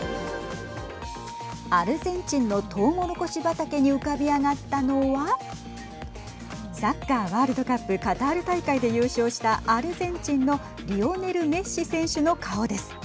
アルゼンチンのとうもろこし畑に浮かび上がったのはサッカーワールドカップカタール大会で優勝したアルゼンチンのリオネル・メッシ選手の顔です。